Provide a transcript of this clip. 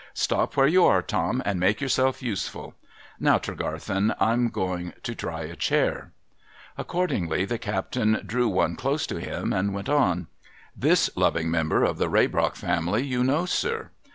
Stop where you are, Tom, and make yourself useful. Now, Tregarthen, I'm going to try a chair.' Accordingly the captain drew one close to him, and went on :—' This loving member of the Raybrock family you know, sir.